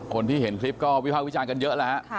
คนที่เห็นคลิปก็วิภาควิจารณ์กันเยอะแล้วฮะ